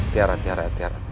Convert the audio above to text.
tiara tiara tiara